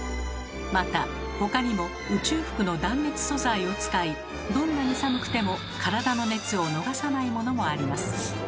また他にも宇宙服の断熱素材を使いどんなに寒くても体の熱を逃さないものもあります。